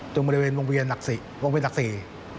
ตรงบริเวณวงเวียนหลักศรี